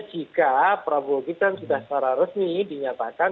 jika prabowo gibran sudah secara resmi dinyatakan